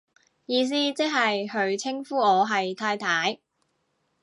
意思即係佢稱呼我係太太